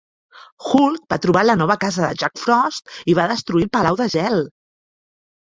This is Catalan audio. Hulk va trobar la nova casa de Jack Frost i va destruir el palau de gel.